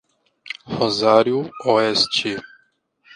Rosário Oeste